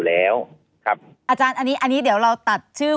อาจารย์อันนี้เดี๋ยวเราตัดชื่อ